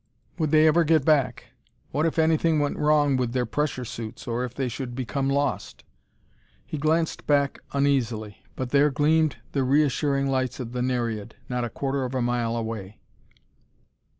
Would they ever get back? What if anything went wrong with their pressure suits or if they should become lost? He glanced back uneasily, but there gleamed the reassuring lights of the Nereid, not a quarter of a mile away.